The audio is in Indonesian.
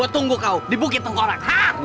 tunggu kau di bukit tengkorak